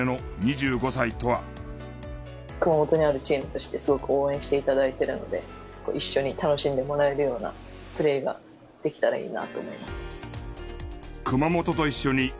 熊本にあるチームとしてすごく応援して頂いているので一緒に楽しんでもらえるようなプレーができたらいいなと思います。